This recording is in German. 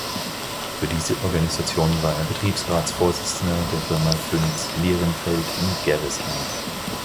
Für diese Organisation war er Betriebsratsvorsitzender der Firma Phönix Lierenfeld in Gerresheim.